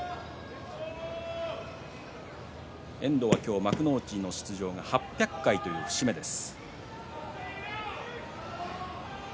遠藤は幕内出場が８００回という節目です。